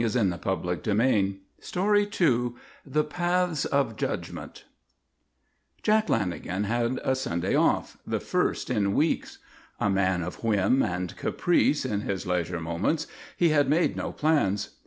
_" II THE PATHS OF JUDGMENT II THE PATHS OF JUDGMENT Jack Lanagan had a Sunday off, the first in weeks. A man of whim and caprice in his leisure moments, he had made no plans.